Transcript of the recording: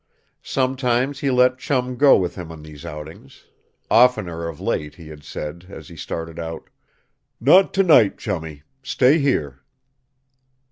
Sometimes he let Chum go with him in these outings. Oftener of late he had said, as he started out: "Not to night, Chummie. Stay here."